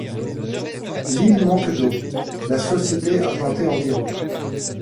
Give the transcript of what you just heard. L'île manque d'eau… La société a planté environ.